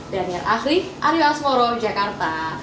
dan akhir akhir are you a smorong jakarta